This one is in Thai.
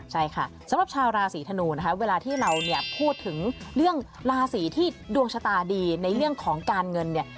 ใช่ค่ะสำหรับชาวราศีธนูนะคะเวลาที่เราเนี่ยพูดถึงเรื่องราศีที่ดวงชะตาดีในเรื่องของการเงินเนี่ย